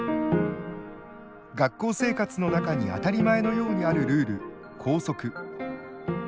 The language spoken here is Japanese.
学校生活の中に当たり前のようにあるルール校則。